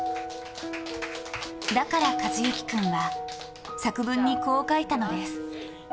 だから寿志君は、作文にこう書いたのです。